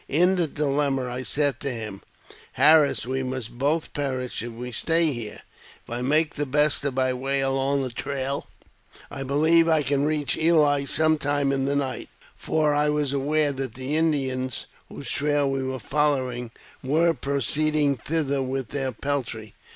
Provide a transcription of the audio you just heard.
In the dilemma I said to him, "Harris, we must both perish if we stay here. If I make the best of my way along this trail, I believe I can reach Ely's some time in the night " (for I was aware that the Indians, whose trail we were fol lowing, were proceeding thither with their peltry).